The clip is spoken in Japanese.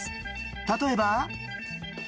例えば。